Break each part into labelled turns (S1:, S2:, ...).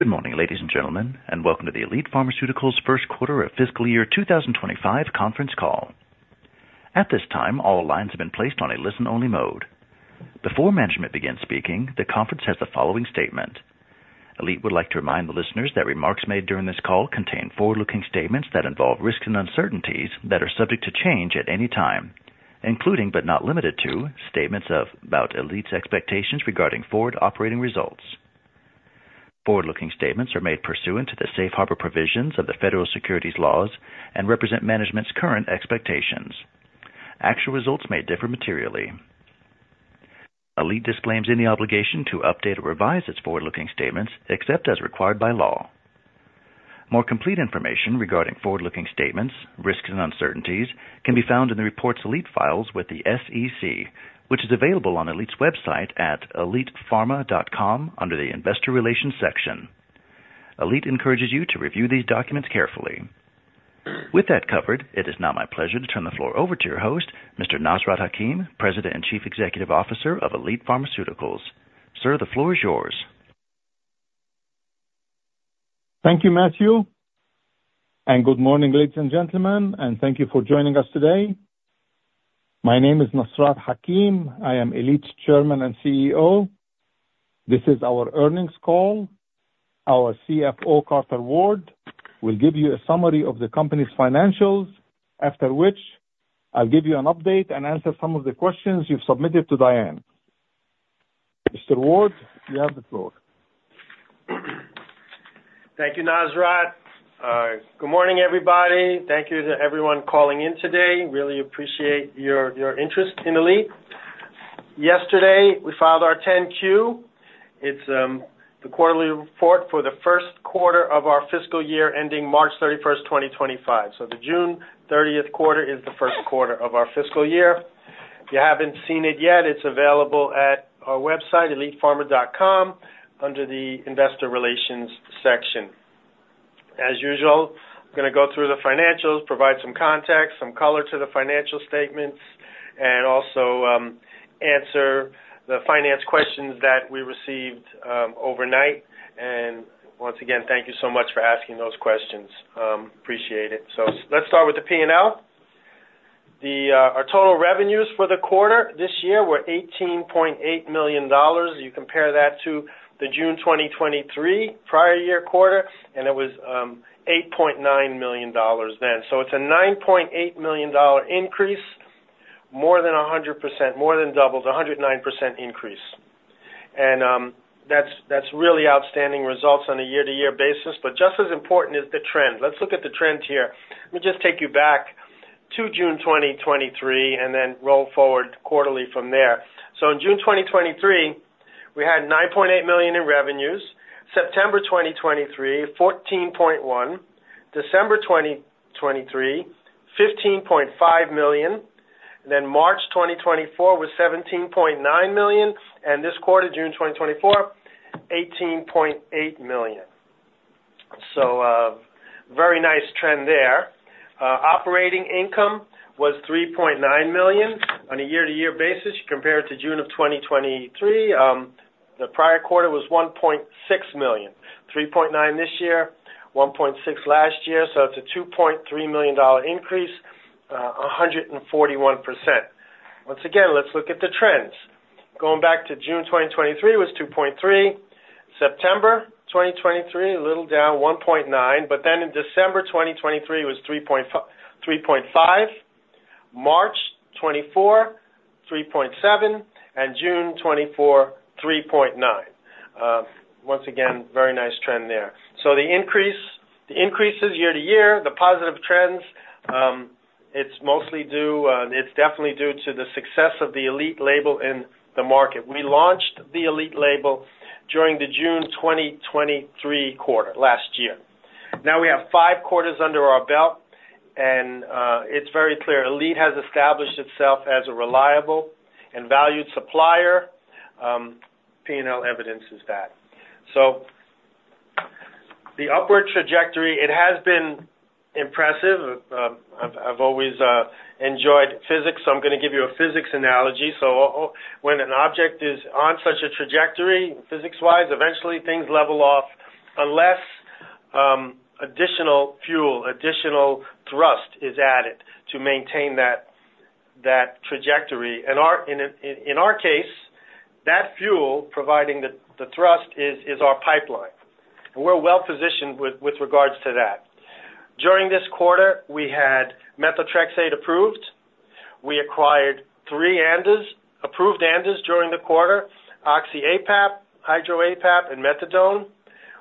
S1: Good morning, ladies and gentlemen, and welcome to the Elite Pharmaceuticals First Quarter of Fiscal Year 2025 Conference Call. At this time, all lines have been placed on a listen-only mode. Before management begins speaking, the conference has the following statement: Elite would like to remind the listeners that remarks made during this call contain forward-looking statements that involve risks and uncertainties that are subject to change at any time, including, but not limited to, statements about Elite's expectations regarding forward operating results. Forward-looking statements are made pursuant to the safe harbor provisions of the federal securities laws and represent management's current expectations. Actual results may differ materially. Elite disclaims any obligation to update or revise its forward-looking statements, except as required by law. More complete information regarding forward-looking statements, risks and uncertainties can be found in the reports Elite files with the SEC, which is available on Elite's website at elitepharma.com under the Investor Relations section. Elite encourages you to review these documents carefully. With that covered, it is now my pleasure to turn the floor over to your host, Mr. Nasrat Hakim, President and Chief Executive Officer of Elite Pharmaceuticals. Sir, the floor is yours.
S2: Thank you, Matthew, and good morning, ladies and gentlemen, and thank you for joining us today. My name is Nasrat Hakim. I am Elite's Chairman and CEO. This is our earnings call. Our CFO, Carter Ward, will give you a summary of the company's financials, after which I'll give you an update and answer some of the questions you've submitted to Diane. Mr. Ward, you have the floor.
S3: Thank you, Nasrat. Good morning, everybody. Thank you to everyone calling in today. Really appreciate your, your interest in Elite. Yesterday, we filed our 10-Q. It's the quarterly report for the first quarter of our fiscal year, ending March 31st, 2025. So the June 30th quarter is the first quarter of our fiscal year. If you haven't seen it yet, it's available at our website, elitepharma.com, under the Investor Relations section. As usual, I'm gonna go through the financials, provide some context, some color to the financial statements, and also answer the finance questions that we received overnight. And once again, thank you so much for asking those questions. Appreciate it. So let's start with the P&L. Our total revenues for the quarter this year were $18.8 million. You compare that to the June 2023 prior year quarter, and it was $8.9 million then. So it's a $9.8 million increase, more than 100%, more than double, it's a 109% increase. That's really outstanding results on a year-to-year basis. But just as important is the trend. Let's look at the trends here. Let me just take you back to June 2023 and then roll forward quarterly from there. So in June 2023, we had $9.8 million in revenues. September 2023, $14.1 million. December 2023, $15.5 million. Then March 2024 was $17.9 million, and this quarter, June 2024, $18.8 million. So very nice trend there. Operating income was $3.9 million on a year-to-year basis compared to June of 2023. The prior quarter was $1.6 million, $3.9 million this year, $1.6 million last year, so it's a $2.3 million increase, 141%. Once again, let's look at the trends. Going back to June 2023 was $2.3 million. September 2023, a little down, $1.9 million, but then in December 2023, it was $3.5 million. March 2024, $3.7 million, and June 2024, $3.9 million. Once again, very nice trend there. So the increase, the increases year-to-year, the positive trends, it's mostly due, it's definitely due to the success of the Elite label in the market. We launched the Elite label during the June 2023 quarter, last year. Now we have five quarters under our belt and, it's very clear, Elite has established itself as a reliable and valued supplier. P&L evidences that. So the upward trajectory, it has been impressive. I've always enjoyed physics, so I'm gonna give you a physics analogy. So when an object is on such a trajectory, physics-wise, eventually things level off unless additional fuel, additional thrust is added to maintain that trajectory. In our case, that fuel providing the thrust is our pipeline, and we're well-positioned with regards to that. During this quarter, we had methotrexate approved. We acquired three ANDAs, approved ANDAs during the quarter, oxy APAP, hydro APAP, and methadone.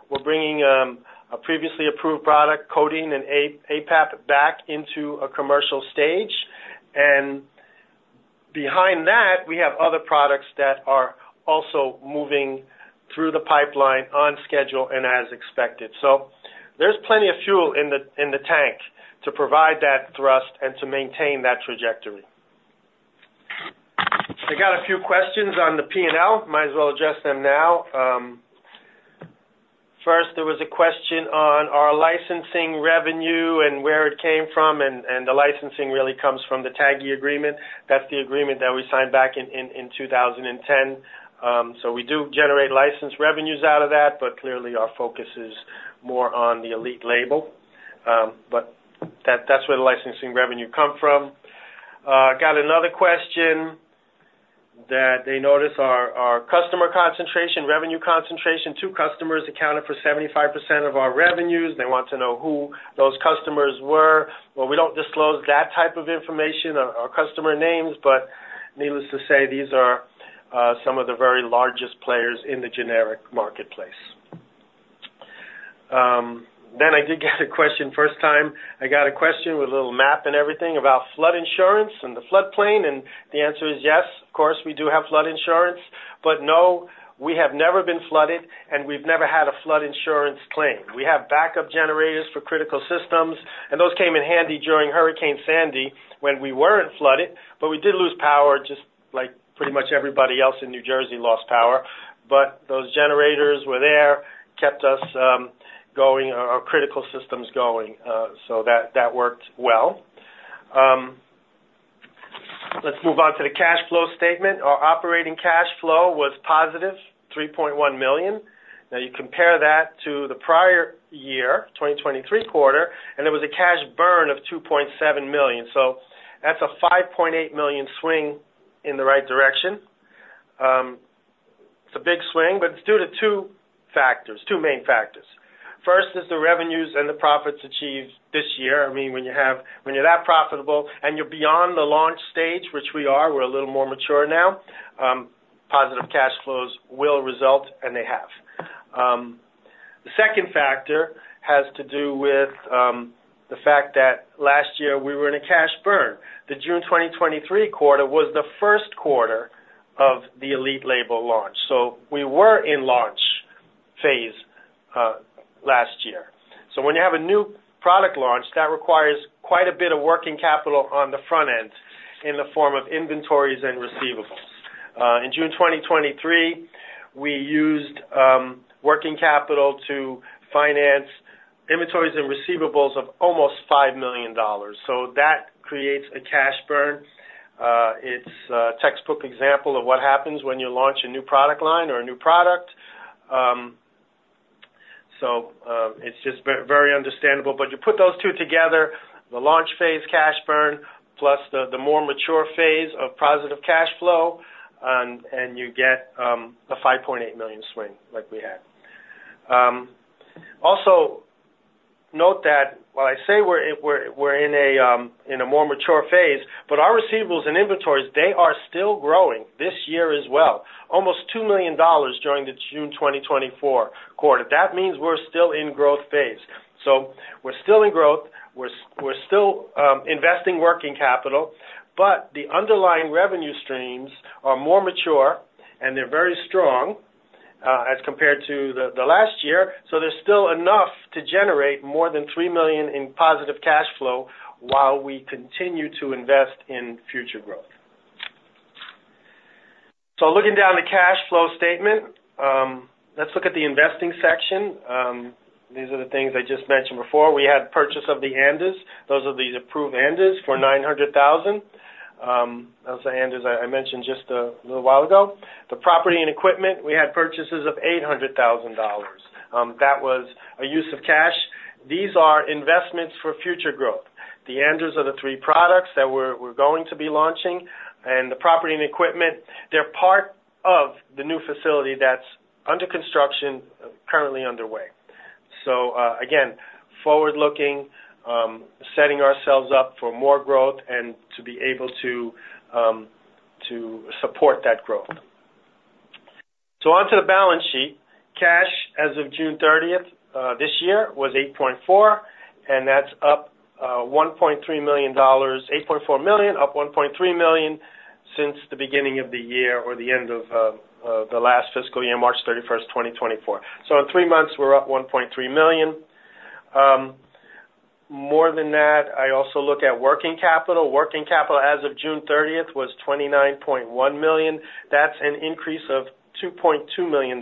S3: We're bringing a previously approved product, codeine and APAP, back into a commercial stage, and behind that, we have other products that are also moving through the pipeline on schedule and as expected. So there's plenty of fuel in the tank to provide that thrust and to maintain that trajectory. I got a few questions on the P&L. Might as well address them now. First, there was a question on our licensing revenue and where it came from, and the licensing really comes from the TAGI agreement. That's the agreement that we signed back in 2010. So we do generate license revenues out of that, but clearly our focus is more on the Elite label. That's where the licensing revenue come from. Got another question that they notice our customer concentration, revenue concentration. Two customers accounted for 75% of our revenues. They want to know who those customers were. Well, we don't disclose that type of information or customer names, but needless to say, these are some of the very largest players in the generic marketplace. Then I did get a question. First time, I got a question with a little map and everything about flood insurance and the floodplain, and the answer is yes, of course, we do have flood insurance, but no, we have never been flooded, and we've never had a flood insurance claim. We have backup generators for critical systems, and those came in handy during Hurricane Sandy when we weren't flooded, but we did lose power, just like pretty much everybody else in New Jersey lost power. But those generators were there, kept us going or our critical systems going. So that, that worked well. Let's move on to the cash flow statement. Our operating cash flow was positive $3.1 million. Now, you compare that to the prior year, 2023 quarter, and there was a cash burn of $2.7 million. So that's a $5.8 million swing in the right direction. It's a big swing, but it's due to two factors. Two main factors. First is the revenues and the profits achieved this year. I mean, when you're that profitable and you're beyond the launch stage, which we are, we're a little more mature now, positive cash flows will result, and they have. The second factor has to do with the fact that last year we were in a cash burn. The June 2023 quarter was the first quarter of the Elite label launch. So we were in launch phase last year. So when you have a new product launch, that requires quite a bit of working capital on the front end in the form of inventories and receivables. In June 2023, we used working capital to finance inventories and receivables of almost $5 million. So that creates a cash burn. It's a textbook example of what happens when you launch a new product line or a new product. So it's just very understandable. But you put those two together, the launch phase cash burn, plus the more mature phase of positive cash flow, and you get a $5.8 million swing, like we had. Also note that while I say we're in a more mature phase, but our receivables and inventories, they are still growing this year as well. Almost $2 million during the June 2024 quarter. That means we're still in growth phase. So we're still in growth, we're still investing working capital, but the underlying revenue streams are more mature, and they're very strong as compared to the last year. So there's still enough to generate more than $3 million in positive cash flow while we continue to invest in future growth. So looking down the cash flow statement, let's look at the investing section. These are the things I just mentioned before. We had purchase of the ANDAs. Those are the approved ANDAs for $900,000. Those are ANDAs I mentioned just a little while ago. The property and equipment, we had purchases of $800,000. That was a use of cash. These are investments for future growth. The ANDAs are the three products that we're going to be launching, and the property and equipment, they're part of the new facility that's under construction, currently underway. So, again, forward-looking, setting ourselves up for more growth and to be able to, to support that growth. So onto the balance sheet. Cash as of June 30th this year was 8.4, and that's up $1.3 million. $8.4 million, up $1.3 million since the beginning of the year or the end of the last fiscal year, March 31st, 2024. So in three months, we're up $1.3 million. More than that, I also look at working capital. Working capital as of June 30th was $29.1 million. That's an increase of $2.2 million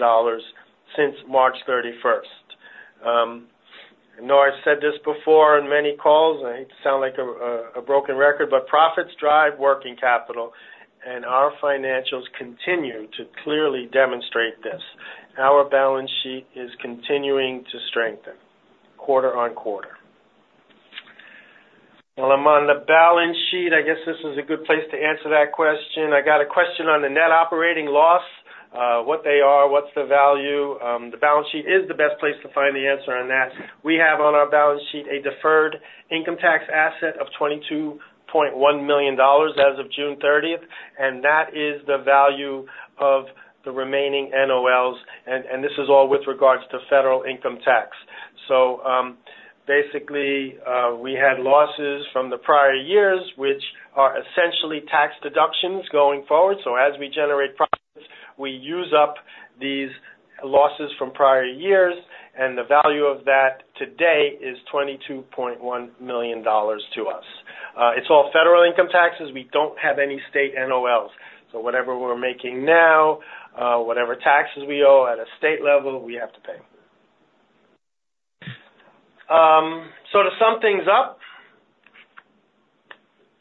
S3: since March 31st. I know I've said this before in many calls, I sound like a broken record, but profits drive working capital, and our financials continue to clearly demonstrate this. Our balance sheet is continuing to strengthen quarter-over-quarter. While I'm on the balance sheet, I guess this is a good place to answer that question. I got a question on the net operating loss, what they are, what's the value? The balance sheet is the best place to find the answer on that. We have on our balance sheet a deferred income tax asset of $22.1 million as of June 30th, and that is the value of the remaining NOLs, and this is all with regards to federal income tax. So, basically, we had losses from the prior years, which are essentially tax deductions going forward. So as we generate profits, we use up these losses from prior years, and the value of that today is $22.1 million to us. It's all federal income taxes. We don't have any state NOLs. So whatever we're making now, whatever taxes we owe at a state level, we have to pay. To sum things up.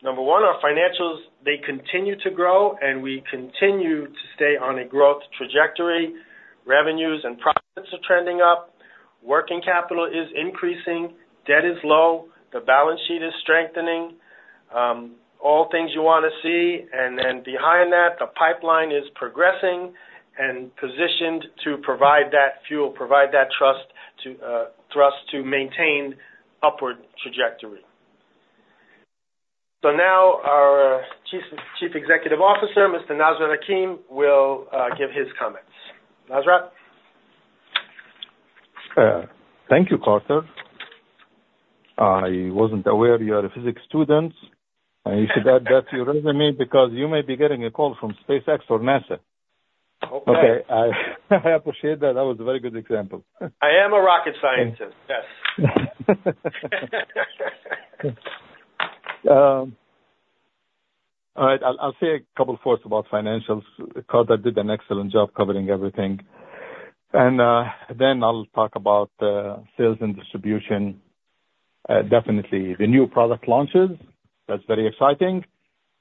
S3: Number one, our financials, they continue to grow, and we continue to stay on a growth trajectory. Revenues and profits are trending up, working capital is increasing, debt is low, the balance sheet is strengthening, all things you want to see. And then behind that, the pipeline is progressing and positioned to provide that fuel, thrust to maintain upward trajectory. So now our Chief Executive Officer, Mr. Nasrat Hakim, will give his comments. Nasrat?
S2: Thank you, Carter. I wasn't aware you are a physics student. You should add that to your resume because you may be getting a call from SpaceX or NASA.
S3: Hopefully.
S2: Okay, I appreciate that. That was a very good example.
S3: I am a rocket scientist, yes.
S2: All right, I'll say a couple thoughts about financials. Carter did an excellent job covering everything. And then I'll talk about sales and distribution, definitely the new product launches. That's very exciting.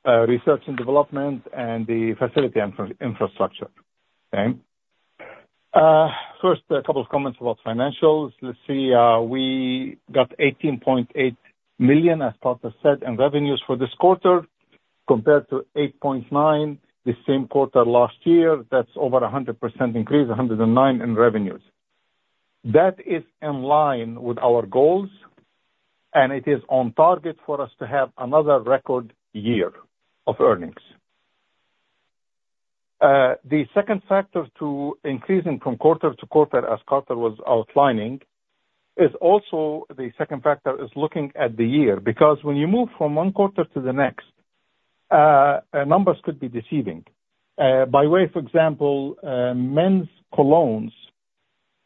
S2: Research and development and the facility infrastructure. Okay? First, a couple of comments about financials. Let's see, we got $18.8 million, as Carter said, in revenues for this quarter, compared to $8.9 million the same quarter last year. That's over 100% increase, 109% in revenues. That is in line with our goals, and it is on target for us to have another record year of earnings. The second factor to increasing from quarter to quarter, as Carter was outlining, is also the second factor is looking at the year, because when you move from one quarter to the next, numbers could be deceiving. By way, for example, men's colognes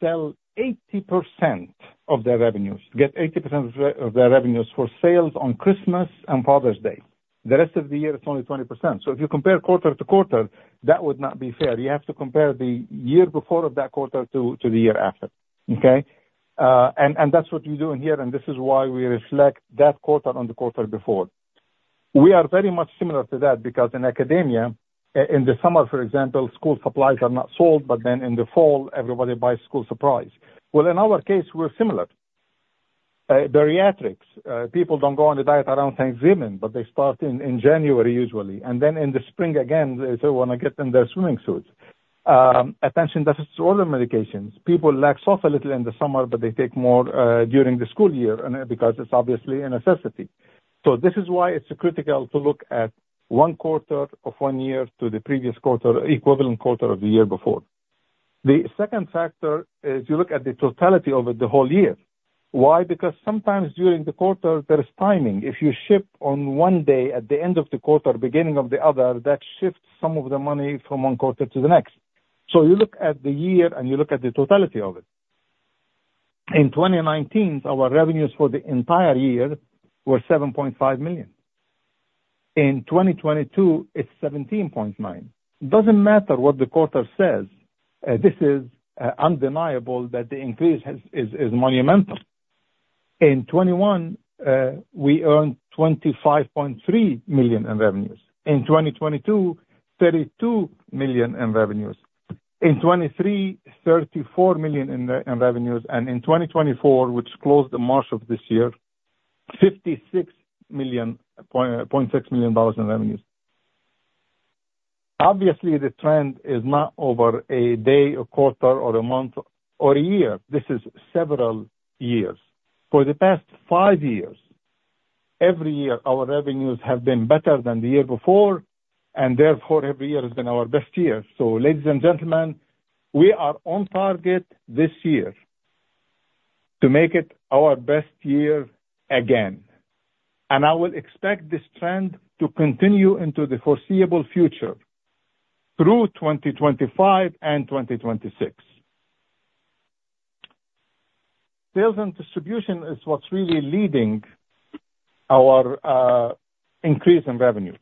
S2: sell 80% of their revenues, get 80% of their revenues for sales on Christmas and Father's Day. The rest of the year, it's only 20%. So if you compare quarter-to-quarter, that would not be fair. You have to compare the year before of that quarter to the year after. Okay? And that's what we're doing here, and this is why we reflect that quarter on the quarter before. We are very much similar to that, because in academia, in the summer, for example, school supplies are not sold, but then in the fall, everybody buys school supplies. Well, in our case, we're similar. Bariatrics. People don't go on a diet around Thanksgiving, but they start in January usually, and then in the spring again, they still want to get in their swimming suits. Attention deficit disorder medications. People slack off a little in the summer, but they take more during the school year and because it's obviously a necessity. So this is why it's critical to look at one quarter of one year to the previous quarter, equivalent quarter of the year before. The second factor is you look at the totality over the whole year. Why? Because sometimes during the quarter, there is timing. If you ship on one day at the end of the quarter, beginning of the other, that shifts some of the money from one quarter to the next. So you look at the year and you look at the totality of it. In 2019, our revenues for the entire year were $7.5 million. In 2022, it's $17.9 million. It doesn't matter what the quarter says, this is undeniable that the increase is monumental. In 2021, we earned $25.3 million in revenues. In 2022, $32 million in revenues. In 2023, $34 million in revenues. And in 2024, which closed in March of this year, $56.6 million dollars in revenues. Obviously, the trend is not over a day, a quarter, or a month, or a year. This is several years. For the past five years, every year, our revenues have been better than the year before, and therefore, every year has been our best year. So ladies and gentlemen, we are on target this year to make it our best year again, and I will expect this trend to continue into the foreseeable future through 2025 and 2026. Sales and distribution is what's really leading our increase in revenues.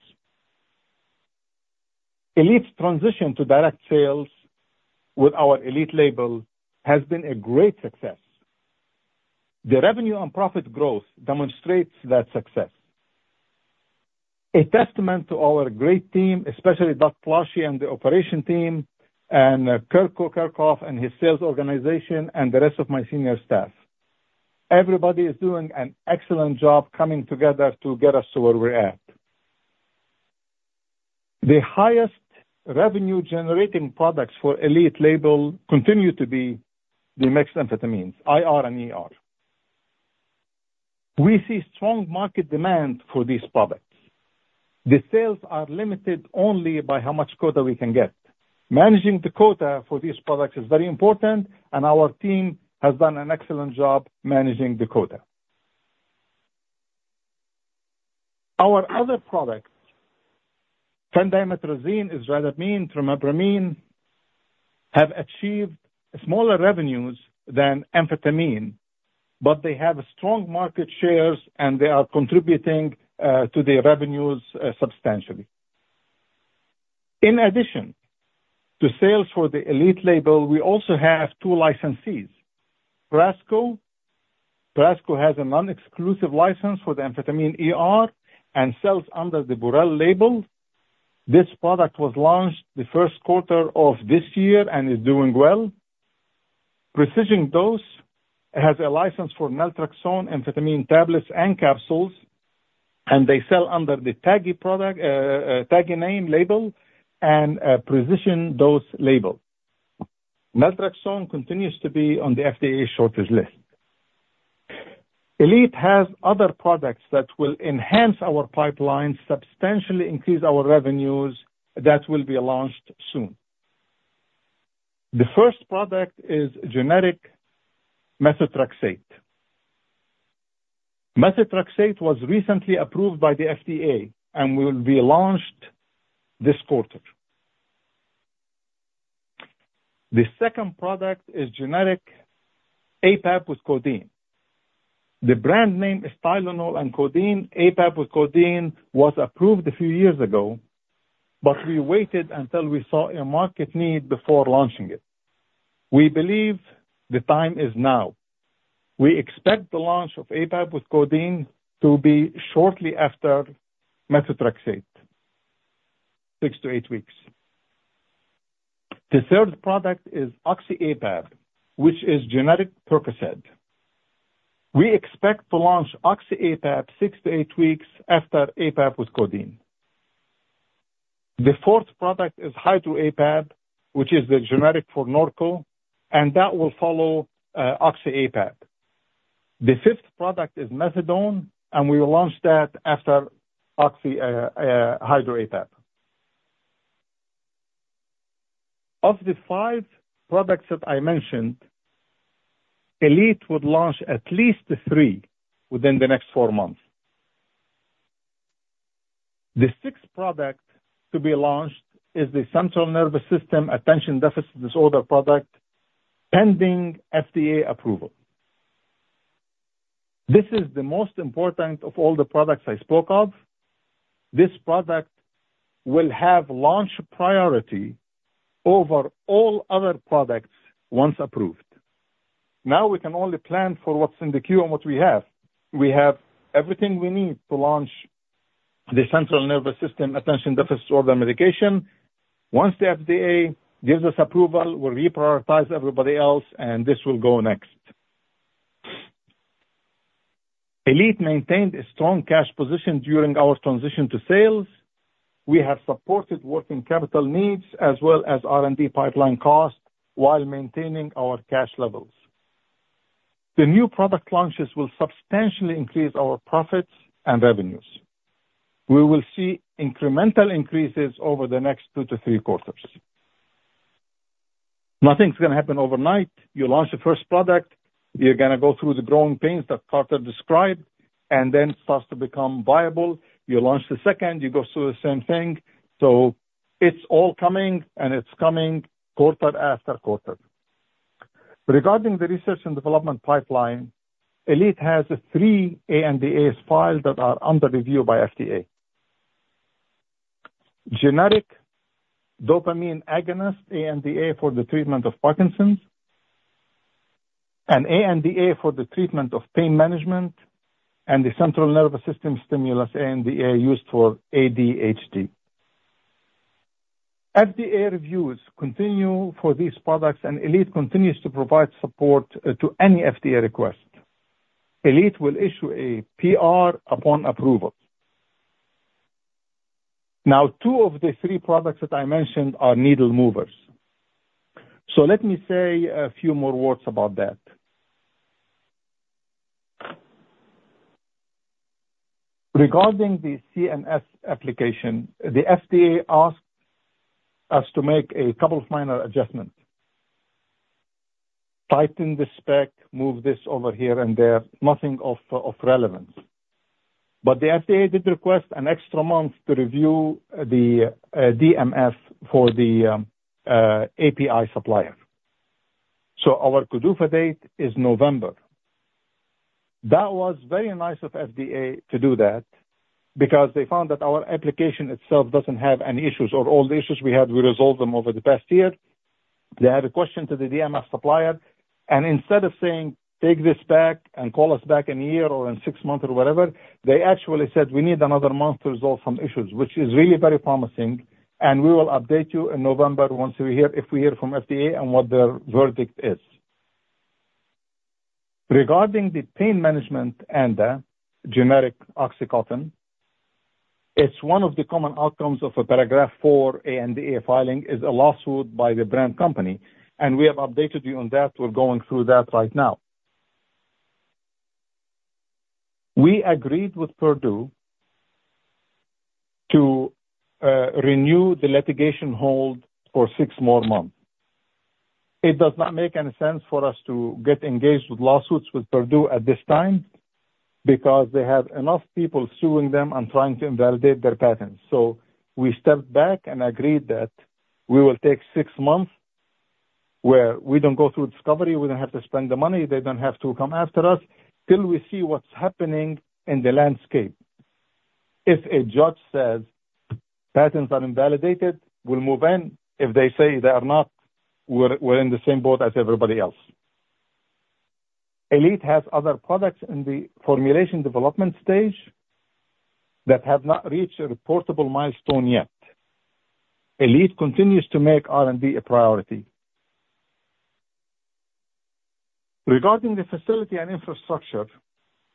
S2: Elite's transition to direct sales with our Elite label has been a great success. The revenue and profit growth demonstrates that success. A testament to our great team, especially Doug Plassche and the operation team and Kirko Kirkov and his sales organization and the rest of my senior staff. Everybody is doing an excellent job coming together to get us to where we're at. The highest revenue-generating products for Elite label continue to be the mixed amphetamines, IR and ER. We see strong market demand for these products. The sales are limited only by how much quota we can get. Managing the quota for these products is very important, and our team has done an excellent job managing the quota. Our other products, phendimetrazine, isradipine, trimipramine, have achieved smaller revenues than amphetamine, but they have strong market shares, and they are contributing to the revenues substantially. In addition to sales for the Elite label, we also have two licensees. Prasco. Prasco has a non-exclusive license for the amphetamine ER and sells under the Burel label. This product was launched the first quarter of this year and is doing well. Precision Dose has a license for naltrexone, amphetamine tablets and capsules, and they sell under the TAGI product, TAGI name label and a Precision Dose label. Naltrexone continues to be on the FDA shortage list. Elite has other products that will enhance our pipeline, substantially increase our revenues, that will be launched soon. The first product is generic methotrexate. Methotrexate was recently approved by the FDA and will be launched this quarter. The second product is generic APAP with codeine. The brand name is Tylenol and codeine. APAP with codeine was approved a few years ago, but we waited until we saw a market need before launching it. We believe the time is now. We expect the launch of APAP with codeine to be shortly after methotrexate, six to eight weeks. The third product is oxy APAP, which is generic Percocet. We expect to launch oxy APAP six to eight weeks after APAP with codeine. The fourth product is hydro APAP, which is the generic for Norco, and that will follow, oxy APAP. The fifth product is methadone, and we will launch that after oxy, hydro APAP. Of the five products that I mentioned, Elite would launch at least three within the next four months. The sixth product to be launched is the central nervous system attention deficit disorder product, pending FDA approval. This is the most important of all the products I spoke of. This product will have launch priority over all other products once approved. Now, we can only plan for what's in the queue and what we have. We have everything we need to launch the central nervous system attention deficit disorder medication. Once the FDA gives us approval, we'll reprioritize everybody else, and this will go next. Elite maintained a strong cash position during our transition to sales. We have supported working capital needs as well as R&D pipeline costs while maintaining our cash levels. The new product launches will substantially increase our profits and revenues. We will see incremental increases over the next two to three quarters. Nothing's going to happen overnight. You launch the first product, you're going to go through the growing pains that Carter described, and then it starts to become viable. You launch the second, you go through the same thing. So it's all coming, and it's coming quarter after quarter. Regarding the research and development pipeline, Elite has three ANDAs filed that are under review by FDA. Generic dopamine agonist ANDA for the treatment of Parkinson's, an ANDA for the treatment of pain management, and the central nervous system stimulant ANDA used for ADHD. FDA reviews continue for these products, and Elite continues to provide support to any FDA request. Elite will issue a PR upon approval. Now, two of the three products that I mentioned are needle movers. So let me say a few more words about that. Regarding the CNS application, the FDA asked us to make a couple of minor adjustments. Tighten the spec, move this over here and there. Nothing of relevance. But the FDA did request an extra month to review the DMF for the API supplier. So our PDUFA date is November. That was very nice of FDA to do that because they found that our application itself doesn't have any issues, or all the issues we had, we resolved them over the past year. They had a question to the DMF supplier, and instead of saying, "Take this back and call us back in a year or in six months or whatever," they actually said, "We need another month to resolve some issues," which is really very promising, and we will update you in November once we hear, if we hear from FDA and what their verdict is. Regarding the pain management ANDA, generic OxyContin, it's one of the common outcomes of a Paragraph IV ANDA filing is a lawsuit by the brand company, and we have updated you on that. We're going through that right now. We agreed with Purdue to renew the litigation hold for six more months. It does not make any sense for us to get engaged with lawsuits with Purdue at this time, because they have enough people suing them and trying to invalidate their patents. So we stepped back and agreed that we will take six months... where we don't go through discovery, we don't have to spend the money, they don't have to come after us till we see what's happening in the landscape. If a judge says patents are invalidated, we'll move in. If they say they are not, we're, we're in the same boat as everybody else. Elite has other products in the formulation development stage that have not reached a reportable milestone yet. Elite continues to make R&D a priority. Regarding the facility and infrastructure,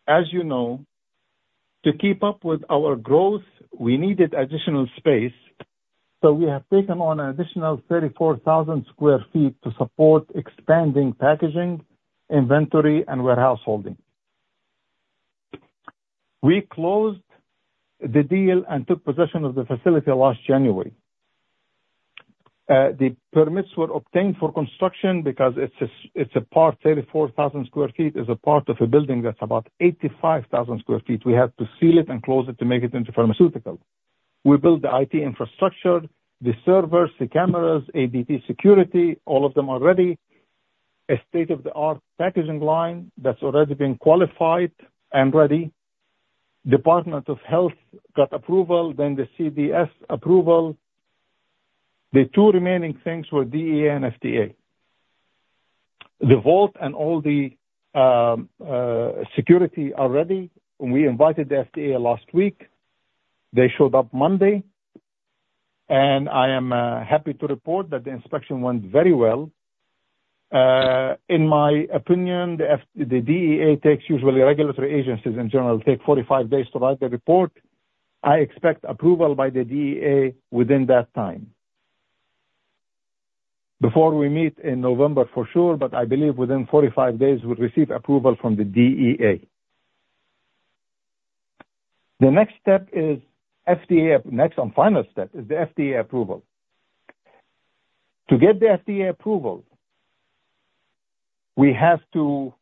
S2: as you know, to keep up with our growth, we needed additional space, so we have taken on an additional 34,000 sq ft to support expanding packaging, inventory, and warehouse holding. We closed the deal and took possession of the facility last January. The permits were obtained for construction because it's a part, 34,000 sq ft is a part of a building that's about 85,000 sq ft. We had to seal it and close it to make it into pharmaceutical. We built the IT infrastructure, the servers, the cameras, ADT security, all of them are ready. A state-of-the-art packaging line that's already been qualified and ready. Department of Health got approval, then the CDS approval. The two remaining things were DEA and FDA. The vault and all the security are ready. We invited the FDA last week. They showed up Monday, and I am happy to report that the inspection went very well. In my opinion, the DEA takes, usually regulatory agencies in general, take 45 days to write the report. I expect approval by the DEA within that time. Before we meet in November, for sure, but I believe within 45 days, we'll receive approval from the DEA. The next step is FDA. Next and final step is the FDA approval. To get the FDA approval, we have to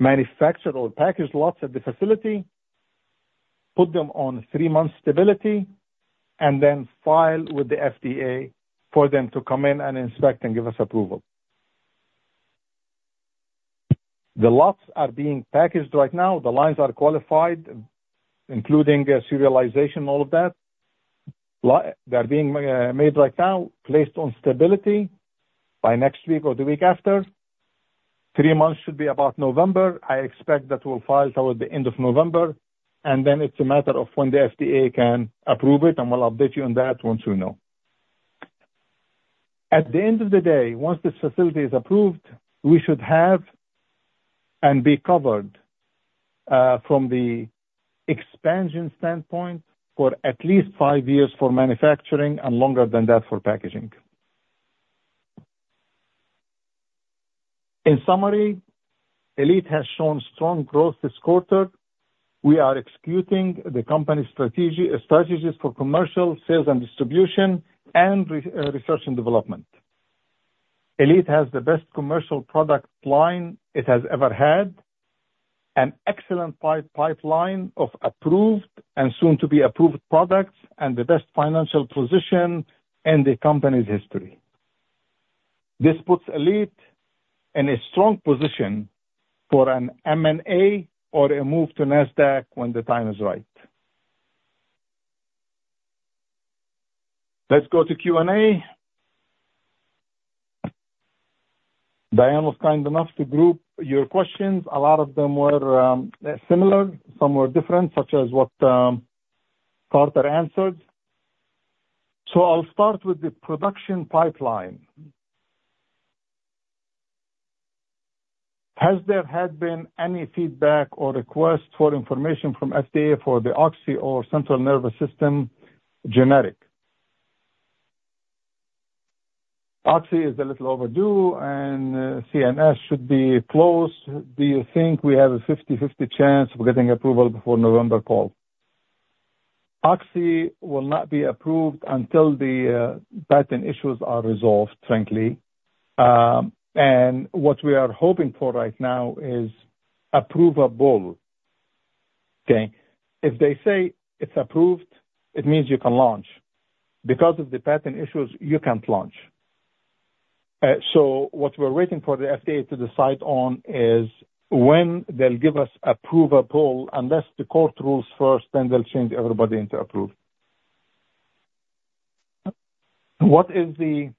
S2: manufacture or package lots at the facility, put them on three-month stability, and then file with the FDA for them to come in and inspect and give us approval. The lots are being packaged right now. The lines are qualified, including serialization, all of that. They are being made right now, placed on stability by next week or the week after. Three months should be about November. I expect that we'll file toward the end of November, and then it's a matter of when the FDA can approve it, and we'll update you on that once we know. At the end of the day, once this facility is approved, we should have and be covered from the expansion standpoint for at least five years for manufacturing and longer than that for packaging. In summary, Elite has shown strong growth this quarter. We are executing the company's strategies for commercial, sales and distribution, and research and development. Elite has the best commercial product line it has ever had, an excellent pipeline of approved and soon-to-be-approved products, and the best financial position in the company's history. This puts Elite in a strong position for an M&A or a move to NASDAQ when the time is right. Let's go to Q&A. Diane was kind enough to group your questions. A lot of them were similar. Some were different, such as what Carter answered. So I'll start with the production pipeline. "Has there had been any feedback or request for information from FDA for the oxy or central nervous system generic? Oxy is a little overdue, and CNS should be close. Do you think we have a 50/50 chance of getting approval before November call?" Oxy will not be approved until the patent issues are resolved, frankly. And what we are hoping for right now is approvable, okay? If they say it's approved, it means you can launch. Because of the patent issues, you can't launch. So what we're waiting for the FDA to decide on is when they'll give us approvable, unless the court rules first, then they'll change everybody into approved. "What is the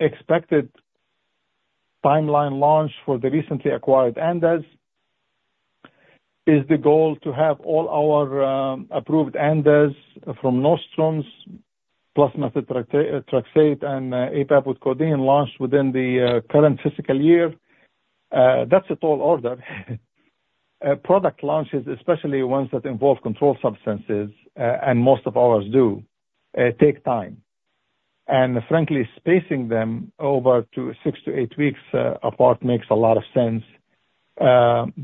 S2: expected timeline launch for the recently acquired ANDAs? Is the goal to have all our approved ANDAs from Nostrum, plus methotrexate and APAP with codeine, launched within the current fiscal year?" That's a tall order. Product launches, especially ones that involve controlled substances, and most of ours do, take time. And frankly, spacing them over to six to eight weeks apart makes a lot of sense.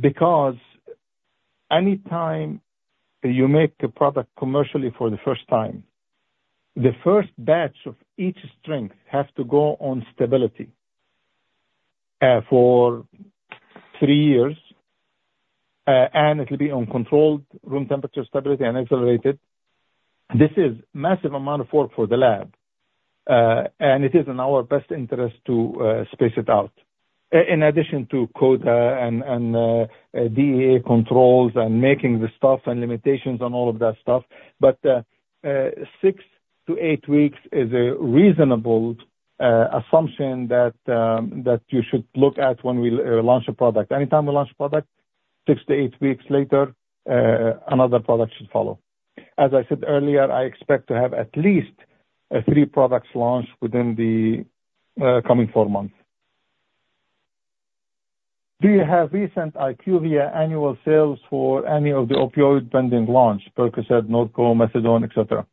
S2: Because any time you make a product commercially for the first time, the first batch of each strength has to go on stability for three years, and it will be on controlled room temperature, stability, and accelerated. This is massive amount of work for the lab, and it is in our best interest to space it out. In addition to quota and DEA controls and making the stuff and limitations on all of that stuff. But six to eight weeks is a reasonable assumption that you should look at when we launch a product. Anytime we launch a product, six to eight weeks later, another product should follow. As I said earlier, I expect to have at least three products launched within the coming four months. Do you have recent IQVIA annual sales for any of the opioid pending launch, Percocet, Norco, methadone, et cetera?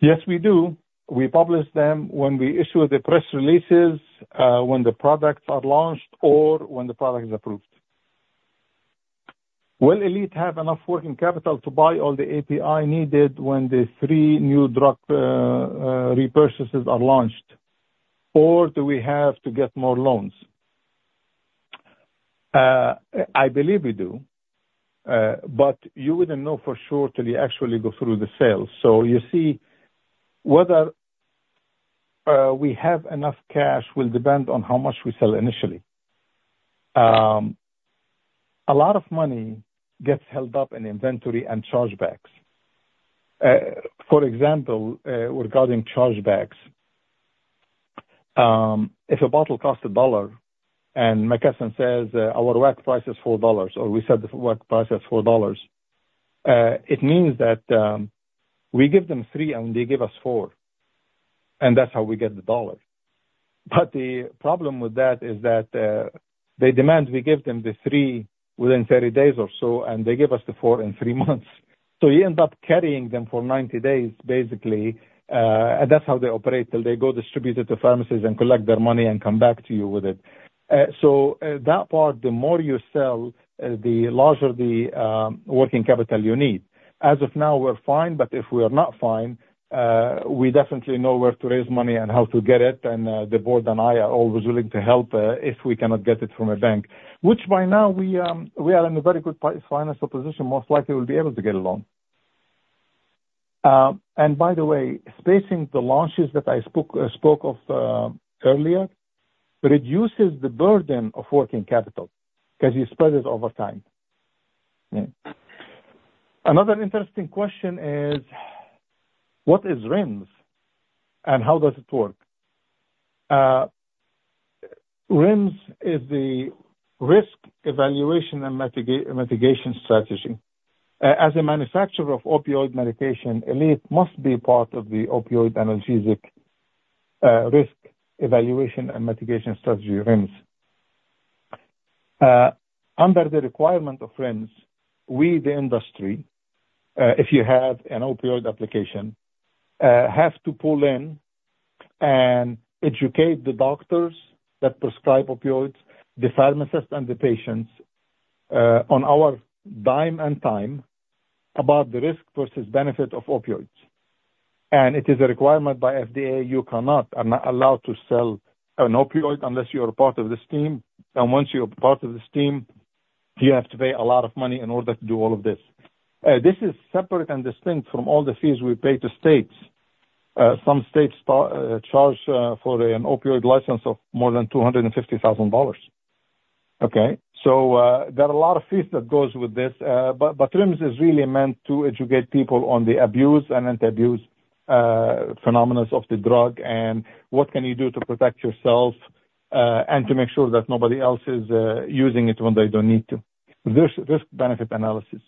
S2: Yes, we do. We publish them when we issue the press releases, when the products are launched or when the product is approved. Will Elite have enough working capital to buy all the API needed when the three new drug repurchases are launched, or do we have to get more loans? I believe we do. But you wouldn't know for sure till you actually go through the sales. So you see, whether we have enough cash will depend on how much we sell initially. A lot of money gets held up in inventory and chargebacks. For example, regarding chargebacks, if a bottle costs $1 and McKesson says our WAC price is $4, or we set the WAC price at $4, it means that we give them $3, and they give us $4, and that's how we get the $1. But the problem with that is that, they demand we give them the three within 30 days or so, and they give us the four in three months. So you end up carrying them for 90 days, basically. And that's how they operate, till they go distribute it to pharmacies and collect their money and come back to you with it. So, that part, the more you sell, the larger the working capital you need. As of now, we're fine, but if we are not fine, we definitely know where to raise money and how to get it, and, the board and I are always willing to help, if we cannot get it from a bank. Which by now, we are in a very good financial position, most likely we'll be able to get a loan. By the way, spacing the launches that I spoke of earlier reduces the burden of working capital because you spread it over time. Another interesting question is, what is REMS, and how does it work? REMS is the Risk Evaluation and Mitigation Strategy. As a manufacturer of opioid medication, Elite must be part of the opioid analgesic Risk Evaluation and Mitigation Strategy, REMS. Under the requirement of REMS, we, the industry, if you have an opioid application, have to pull in and educate the doctors that prescribe opioids, the pharmacists and the patients, on our dime and time, about the risk versus benefit of opioids. And it is a requirement by FDA, you cannot, are not allowed to sell an opioid unless you are part of this team. Once you're part of this team, you have to pay a lot of money in order to do all of this. This is separate and distinct from all the fees we pay to states. Some states charge for an opioid license of more than $250,000. Okay? There are a lot of fees that goes with this. REMS is really meant to educate people on the abuse and anti-abuse phenomena of the drug, and what can you do to protect yourself, and to make sure that nobody else is using it when they don't need to. Risk, risk-benefit analysis.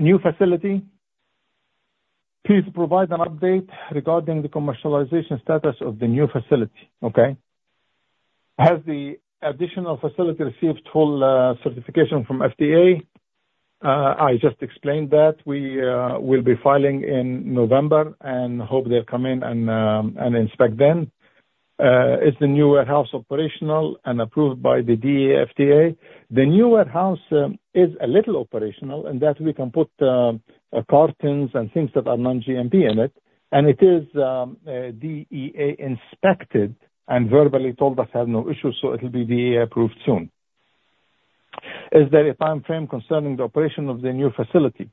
S2: New facility. Please provide an update regarding the commercialization status of the new facility. Okay. Has the additional facility received full certification from FDA? I just explained that. We will be filing in November and hope they'll come in and inspect then. Is the new warehouse operational and approved by the DEA, FDA? The new warehouse is a little operational, in that we can put cartons and things that are non-GMP in it, and it is a DEA-inspected and verbally told us there are no issues, so it'll be DEA approved soon. Is there a timeframe concerning the operation of the new facility?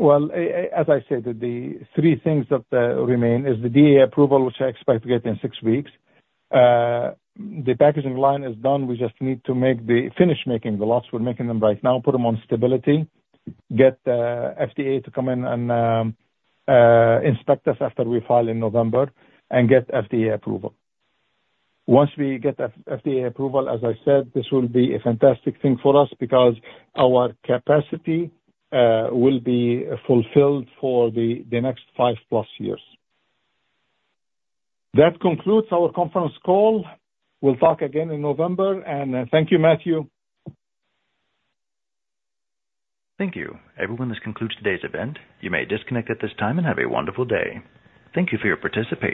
S2: As I stated, the three things that remain is the DEA approval, which I expect to get in six weeks. The packaging line is done. We just need to finish making the lots. We're making them right now, put them on stability, get FDA to come in and inspect us after we file in November and get FDA approval. Once we get FDA approval, as I said, this will be a fantastic thing for us because our capacity will be fulfilled for the next 5+ years. That concludes our conference call. We'll talk again in November, and thank you, Matthew.
S1: Thank you. Everyone, this concludes today's event. You may disconnect at this time and have a wonderful day. Thank you for your participation.